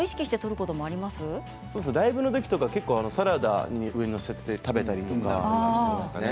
ライブの時とか結構サラダの上に載せて食べたりとかしますね。